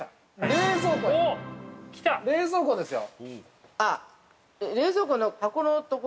冷蔵庫ですよ。